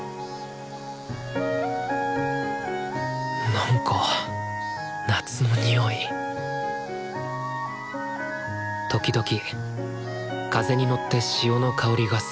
なんか夏のにおい時々風に乗って潮の香りがする。